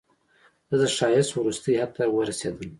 زه د ښایست وروستني حد ته ورسیدم